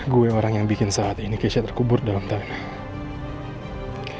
gue orang yang bikin saat ini kesha terkubur dalam tanah